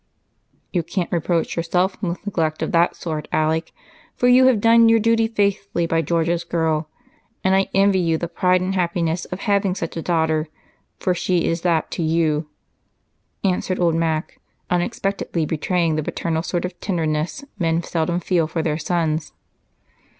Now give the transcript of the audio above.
"You can't reproach yourself with neglect of that sort, Alec, for you have done your duty faithfully by George's girl, and I envy you the pride and happiness of having such a daughter, for she is that to you," answered old Mac, unexpectedly betraying the paternal sort of tenderness men seldom feel for their sons.